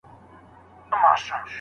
هوښیار زده کوونکی یې.